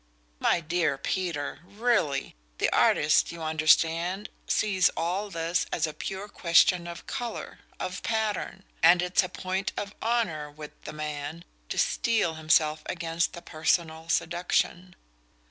"My dear Peter really the artist, you understand, sees all this as a pure question of colour, of pattern; and it's a point of honour with the MAN to steel himself against the personal seduction."